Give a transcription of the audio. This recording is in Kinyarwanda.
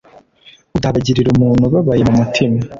udabagirira umuntu ubabaye mu mutima